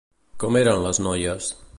Com eren les noies?